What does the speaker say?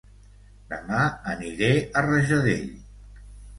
Dema aniré a Rajadell